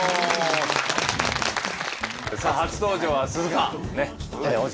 さあ初登場は鈴鹿央士